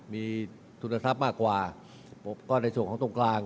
มีทุนทรัพย์มากกว่าก็ในส่วนของตรงกลาง